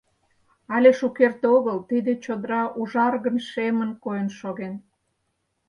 Але шукерте огыл тиде чодра ужаргын-шемын койын шоген.